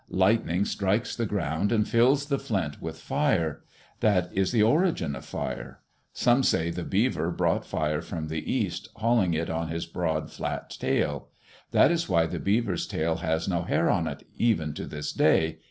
Lightning strikes the ground and fills the flint with fire. That is the origin of fire. Some say the beaver brought fire from the east, hauling it on his broad, flat tail. That is why the beaver's tail has no hair on it, even to this day.